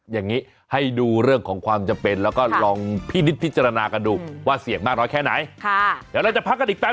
อย่างนี้ให้ดูเรื่องของความจะเป็นแล้วก็ลองพินิษฐ์พิจารณากันดูว่าเสี่ยงมากน้อยแค่ไหน